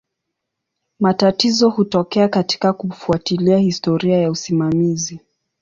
Matatizo hutokea katika kufuatilia historia ya usimamizi.